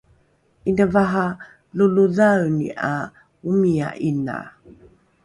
’ina vaha lolodhaeni ’a omia ’ina